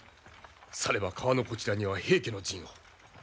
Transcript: されば川のこちらには平家の陣を。